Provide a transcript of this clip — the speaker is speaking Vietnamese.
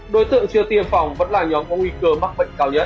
đối tượng chưa tiêm phòng vẫn là nhóm có nguy cơ mắc bệnh cao nhất